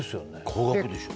高額でしょ